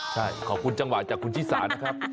ใช่ขอบคุณจังหวะจากคุณชิสานะครับ